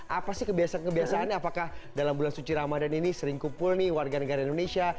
apa sih kebiasaan kebiasaannya apakah dalam bulan suci ramadan ini sering kumpul nih warga negara indonesia